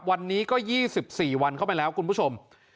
วันนี้ก็๒๔วันเข้าไปแล้วคุณผู้ชม